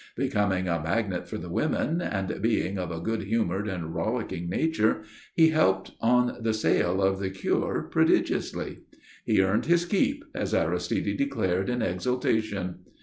Becoming a magnet for the women, and being of a good humoured and rollicking nature, he helped on the sale of the cure prodigiously. He earned his keep, as Aristide declared in exultation.